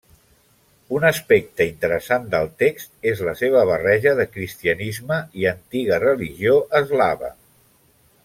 Un aspecte interessant del text és la seva barreja de cristianisme i antiga religió eslava.